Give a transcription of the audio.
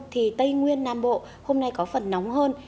thì tây nguyên nam bộ hôm nay có phần nóng hơn